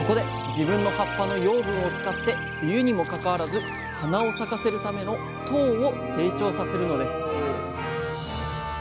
自分の葉っぱの養分を使って冬にもかかわらず花を咲かせるための「とう」を成長させるのです